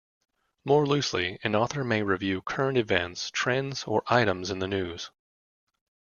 More loosely, an author may review current events, trends, or items in the news.